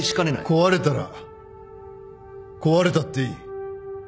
壊れたら壊れたっていい。